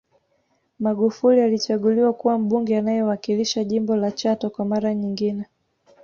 Magufuli alichaguliwa kuwa Mbunge anayewakilisha jimbo la Chato kwa mara nyingine